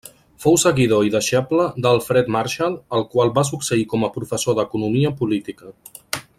Fou seguidor i deixeble d'Alfred Marshall al qual va succeir com a professor d'economia política.